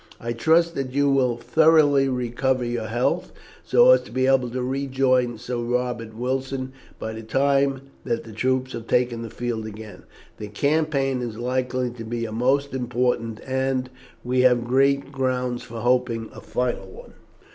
I trust that you will thoroughly recover your health, so as to be able to rejoin Sir Robert Wilson by the time that the troops take the field again. The campaign is likely to be a most important, and we have great grounds for hoping a final one."